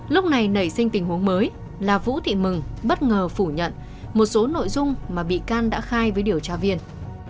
lúc này nảy sinh tình huống mới là vũ thị mừng bất ngờ phủ nhận một số nội dung mà bị can đã khai với điều tra viên